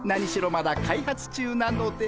まだ開発中なので。